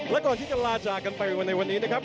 และก่อนที่จะลาจากกันไปในวันนี้นะครับ